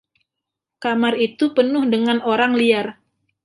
Kamar itu penuh dengan orang liar.